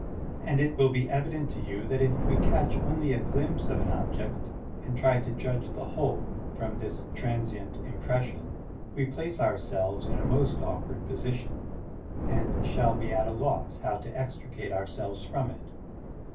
And it will be evident to you that if we catch only a glimpse of an object and try to judge the whole from this transient impression, we place ourselves in a most awkward position, and shall be at a loss how to extricate ourselves from it.